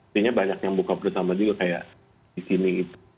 mungkin banyak yang buka bersama juga kayak di sini